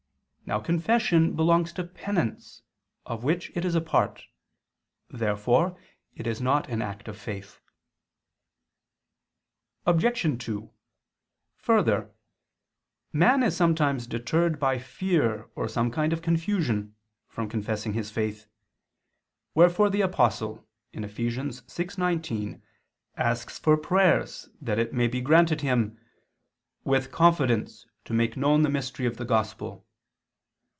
Now confession belongs to penance of which it is a part. Therefore it is not an act of faith. Obj. 2: Further, man is sometimes deterred by fear or some kind of confusion, from confessing his faith: wherefore the Apostle (Eph. 6:19) asks for prayers that it may be granted him "with confidence, to make known the mystery of the gospel."